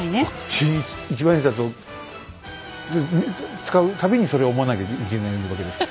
新一万円札を使う度にそれを思わなきゃいけないわけですか。